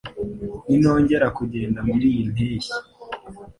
ninongera kugenda muriyi mpeshyi